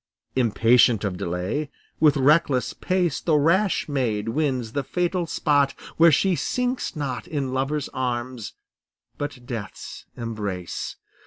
Impatient of delay, with reckless pace The rash maid wins the fatal spot where she Sinks not in lover's arms but death's embrace.